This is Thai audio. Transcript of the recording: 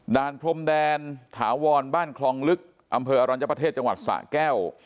พรมแดนถาวรบ้านคลองลึกอำเภออรัญญประเทศจังหวัดสะแก้ว